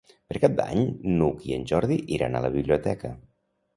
Per Cap d'Any n'Hug i en Jordi iran a la biblioteca.